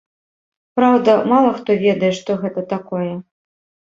Праўда, мала хто ведае, што гэта такое.